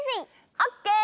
オッケー！